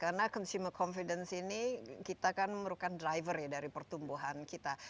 karena consumer confidence ini kita kan merupakan driver dari pertumbuhan kita